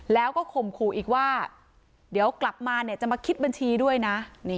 แล้วก็ข่มขู่อีกว่าเดี๋ยวกลับมาเนี่ยจะมาคิดบัญชีด้วยนะ